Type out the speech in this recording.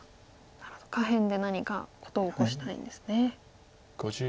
下辺で何か事を起こしたいですね。